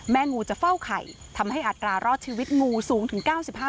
งูจะเฝ้าไข่ทำให้อัตรารอดชีวิตงูสูงถึง๙๕